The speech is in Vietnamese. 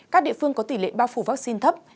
các địa phương có tỷ lệ bao phủ vaccine thấp